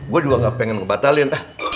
gue juga gak pengen ngebatalin